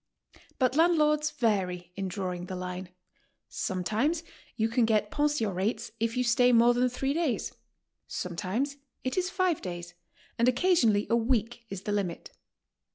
But landlords vary in drawing the line; sometimes you can get 0 })cnsion rates if you stay more than three ckiys, sometimes it is five days, and occasionally a week is the limit.